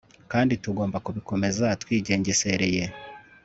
kandi tugomba kubikomeza twigengesereye